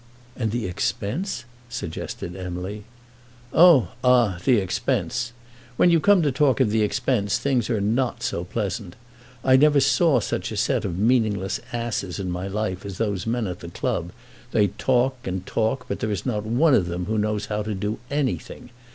"And the expense?" suggested Emily. "Oh, ah; the expense. When you come to talk of the expense things are not so pleasant. I never saw such a set of meaningless asses in my life as those men at the club. They talk and talk, but there is not one of them who knows how to do anything.